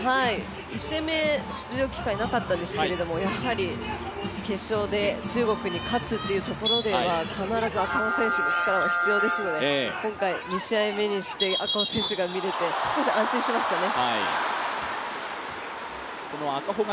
１戦目、出場機会なかったですけど、決勝で中国に勝つというところでは必ず赤穂選手の力が必要ですので、今回、２試合目にして赤穂選手が見れて少し安心しましたね。